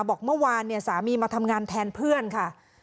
บอกเมื่อวานเนี่ยสามีมาทำงานแทนเพื่อนค่ะ